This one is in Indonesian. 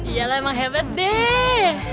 yalah emang hebat deh